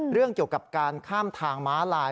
เรื่องเกี่ยวกับการข้ามทางม้าลาย